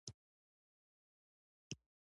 نورې وسلې د کانکریټ لاندې شوې وې او لاسرسی نه ورته و